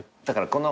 だから